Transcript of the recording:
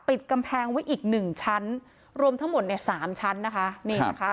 ปิดกำแพงไว้อีก๑ชั้นรวมทั้งหมด๓ชั้นนะคะ